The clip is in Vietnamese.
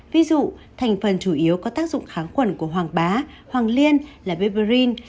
ví dụ thành phần chủ yếu có tác dụng kháng quẩn của hoàng bá hoàng liên là beberin